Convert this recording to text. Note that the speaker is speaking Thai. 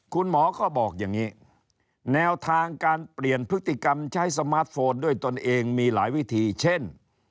คุณหมอก็บอกอย่างนี้แนวทางการเปลี่ยนพฤติกรรมใช้สมาร์ทโฟนด้วยตนเองมีหลายวิธีเช่น